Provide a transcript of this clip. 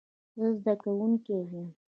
زه زده کوونکی یم